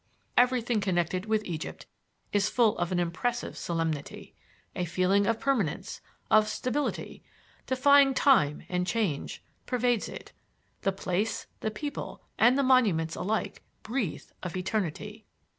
Everything connected with Egypt is full of an impressive solemnity. A feeling of permanence, of stability, defying time and change, pervades it. The place, the people, and the monuments alike breathe of eternity."